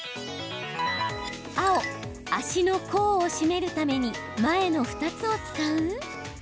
青・足の甲を締めるために前の２つを使う？